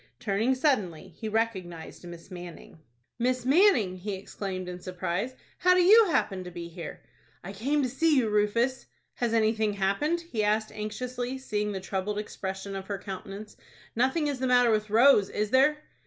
Turning suddenly, he recognized Miss Manning. "Miss Manning!" he exclaimed, in surprise. "How do you happen to be here?" "I came to see you, Rufus." "Has anything happened?" he asked anxiously, seeing the troubled expression of her countenance. "Nothing is the matter with Rose, is there?"